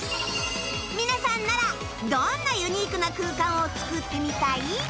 皆さんならどんなユニークな空間を作ってみたい？